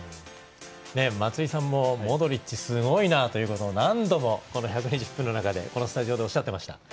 松井さんもモドリッチすごいなというのを何度も、この１２０分の中でこのスタジオでおっしゃっていました。